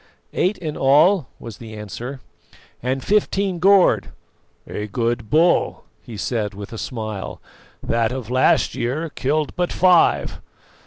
"Eight in all," was the answer, "and fifteen gored." "A good bull," he said with a smile; "that of last year killed but five.